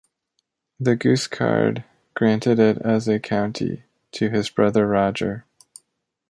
The Guiscard granted it as a county to his brother Roger.